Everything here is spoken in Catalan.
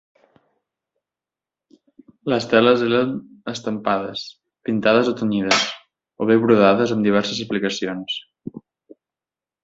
Les teles eren estampades, pintades o tenyides, o bé brodades amb diverses aplicacions.